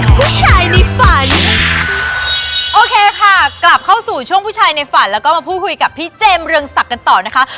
ผู้ชายในฝันโอเคค่ะกลับเข้าสู่ช่วงผู้ชายในฝันแล้วก็มาพูดคุยกับพี่เจมส์เรืองศักดิ์กันต่อนะคะ